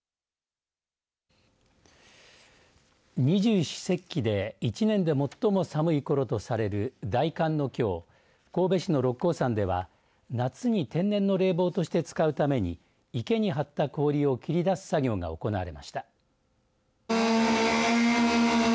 二十四節気で１年で最も寒いころとされる大寒のきょう神戸市の六甲山では夏に天然の冷房として使うために池に張った氷を切り出す作業が行われました。